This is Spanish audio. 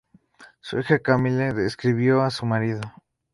Su hija Camille escribió a su marido.